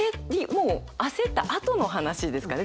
もう焦ったあとの話ですかね